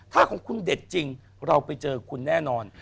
ถ้าของคุณเด็ดจริงเราไปเจอคุณแน่นอน